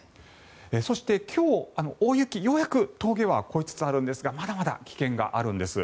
そして、今日、大雪ようやく峠は越えつつあるんですがまだまだ危険があるんです。